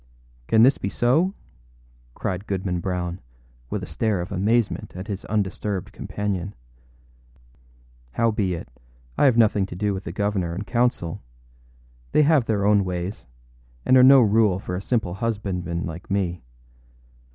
â âCan this be so?â cried Goodman Brown, with a stare of amazement at his undisturbed companion. âHowbeit, I have nothing to do with the governor and council; they have their own ways, and are no rule for a simple husbandman like me.